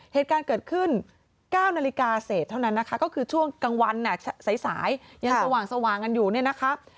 เหตุการณ์เกิดขึ้น๙นาฬิกาเศษเท่านั้นนะคะก็คือช่วงกลางวันสายยังสว่างกันอยู่เนี่ยนะคะ